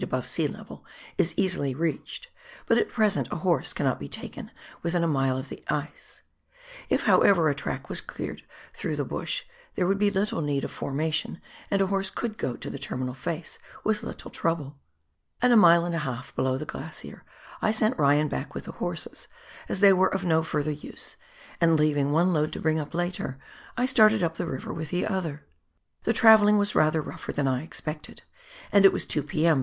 above sea level, is easily reached, but at present a horse cannot be taken within a mile of the ice ; if, however, a track was cleared through the bush, there would be little need of formation, and a horse could go to the terminal face with little trouble. At a mile and a half below the glacier, I sent Ryan back with the horses, as they were of no further use, and leaving one load to bring up later, I started up the river with the other. The travelling was rather rougher than I expected, and it was two p.m.